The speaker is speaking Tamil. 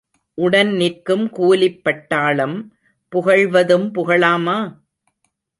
உடன் நிற்கும் கூலிப் பட்டாளம் புகழ்வதும் புகழாமா?